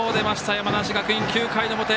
山梨学院、９回の表。